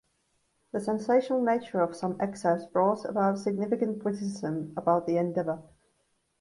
The sensational nature of some of excerpts brought about significant criticism about the endeavor.